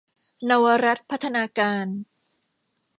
เนาวรัตน์พัฒนาการ